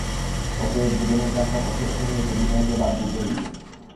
অতএব জীবনের যাত্রাপথে এখন হইতে বিনয়কে বাদ দিতে হইবে।